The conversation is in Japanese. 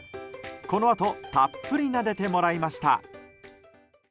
このあとたっぷりなでてもらいました。